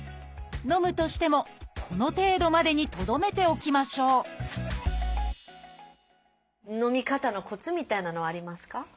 飲むとしてもこの程度までにとどめておきましょう飲み方のコツみたいなのはありますか？